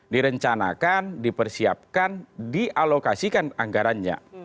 direncanakan dipersiapkan dialokasikan anggarannya